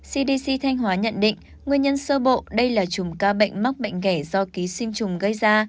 cdc thành hóa nhận định nguyên nhân sơ bộ đây là chùm ca bệnh mắc bệnh gẻ do ký sinh chùm gây ra